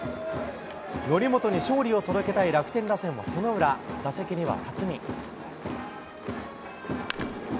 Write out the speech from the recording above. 則本に勝利を届けたい楽天打線はその裏、打席には辰己。